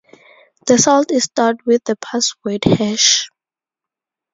The salt is stored with the password hash.